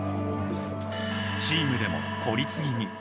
チームでも孤立気味。